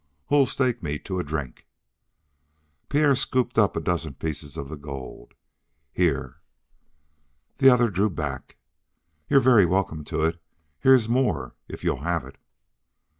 Who'll stake me to a drink?" Pierre scooped up a dozen pieces of the gold. "Here." The other drew back. "You're very welcome to it. Here's more, if you'll have it."